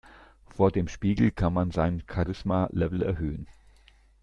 Vor dem Spiegel kann man sein Charisma-Level erhöhen.